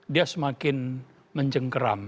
dia semakin menjengkeram